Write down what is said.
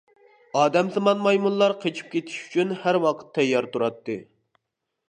ئادەمسىمان مايمۇنلار قېچىپ كېتىش ئۈچۈن ھەر ۋاقىت تەييار تۇراتتى.